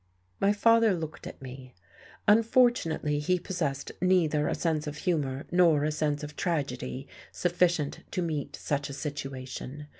My father looked at me. Unfortunately he possessed neither a sense of humour nor a sense of tragedy sufficient to meet such a situation.